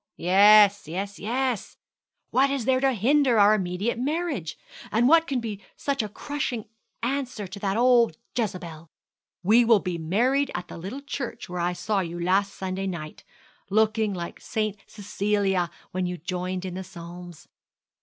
'Yes, yes, yes. What is there to hinder our immediate marriage? And what can be such a crushing answer to that old Jezebel! We will be married at the little church where I saw you last Sunday night, looking like St. Cecilia when you joined in the Psalms.